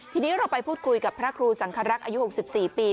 ทีนี้เราไปพูดคุยกับพระครูสังครักษ์อายุ๖๔ปี